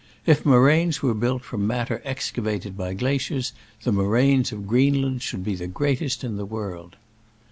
If moraines were built from matter excavated by glaciers, the moraines of Creenland should be the greatest in the world